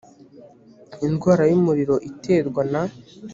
indwara y umuriro iterwa na